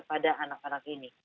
pada anak anak ini